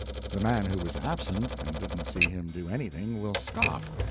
The man who was absent and didn't see him to anything, will scoff.